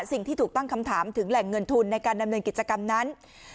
สิ่งที่ถูกตั้งคำถามถึงแหล่งเงินทุนในการดำเนินกิจกรรมนั้น